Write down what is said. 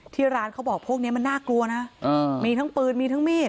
ที่ร้านเขาบอกพวกนี้มันน่ากลัวนะมีทั้งปืนมีทั้งมีด